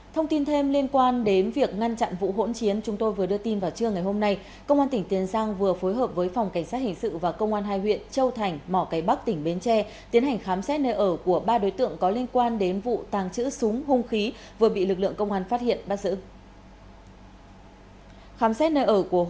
thông tin thêm liên quan đến việc ngăn chặn vụ hỗn chiến chúng tôi vừa đưa tin vào trưa ngày hôm nay công an tỉnh tiền giang vừa phối hợp với phòng cảnh sát hình sự và công an hai huyện châu thành mỏ cái bắc tỉnh bến tre tiến hành khám xét nơi ở của ba đối tượng có liên quan đến vụ tàng trữ súng hung khí vừa bị lực lượng công an phát hiện bắt giữ